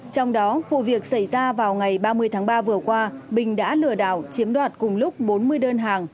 trong đó vụ việc xảy ra vào ngày ba mươi tháng ba vừa qua bình đã lừa đảo chiếm đoạt cùng lúc bốn mươi đơn hàng